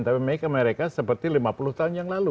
tapi make america seperti lima puluh tahun yang lalu